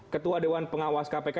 ketua dewan pengawas kpk